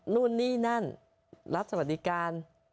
นู่นนี่นั่นรับสวัสดิการ